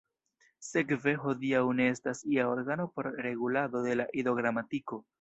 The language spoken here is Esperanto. Sekve, hodiaŭ ne estas ia organo por regulado de la Ido-gramatiko.